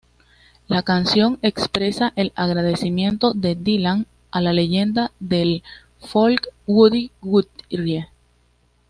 La canción expresa el agradecimiento de Dylan a la leyenda del folk Woody Guthrie.